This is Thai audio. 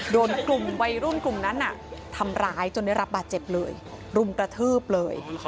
โดนกลุ่มวัยรุ่นกลุ่มนั้นทำร้ายจนได้รับบาดเจ็บเลยรุมกระทืบเลย